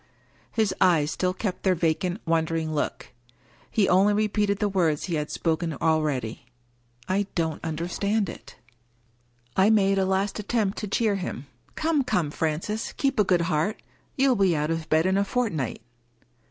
" His eyes still kept their vacant, wondering look. He only repeated the words he had spoken already :" I don't understand it." I made a last attempt to cheer him. " Come, come, Francis ! keep a good heart. You will be out of bed in a fortnight."